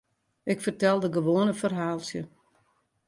Ik fertelde gewoan in ferhaaltsje.